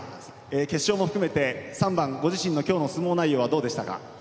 決勝も含めて三番ご自身の今日の相撲内容はどうでしたか？